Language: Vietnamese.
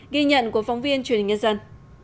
ghi nhận của phóng viên truyền hình nhân dân